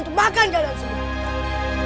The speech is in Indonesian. untuk makan jalan jalan serigala